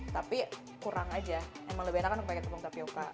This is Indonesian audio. tapi kurang aja emang lebih enakan pakai tepung tapioca